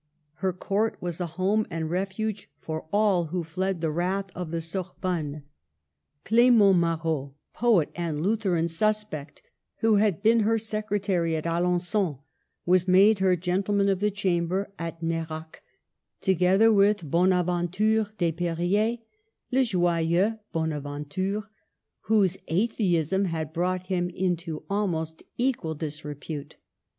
Her court was a home and a refu£:;e for all who fled the wrath of the Sorbonne. Clement Marot, poet and Lutheran suspect, who had been her secretary at Alengon, was made her Gentleman of the Chamber at Nerac, together with Bona venture Desperriers, — le joyeux Bonaventurey — whose atheism had brought him into almost equal disrepute.